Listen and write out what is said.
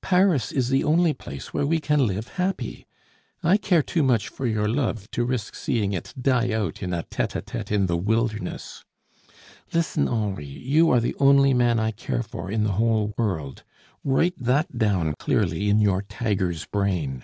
"Paris is the only place where we can live happy. I care too much for your love to risk seeing it die out in a tete a tete in the wilderness. Listen, Henri, you are the only man I care for in the whole world. Write that down clearly in your tiger's brain."